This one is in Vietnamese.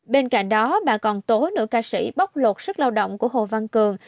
bên cạnh đó bà còn tố nữ ca sĩ bóc lột sức lao động của hồ văn cường